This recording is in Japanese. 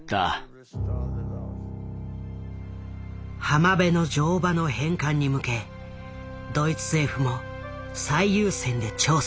「浜辺の乗馬」の返還に向けドイツ政府も最優先で調査。